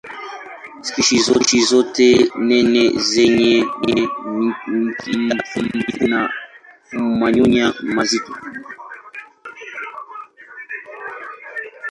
Spishi zote ni nene zenye mkia mfupi na manyoya mazito.